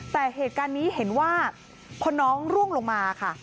แต่เหตุการณ์นี้เห็นว่าพอน้องร่วงลงมาค่ะ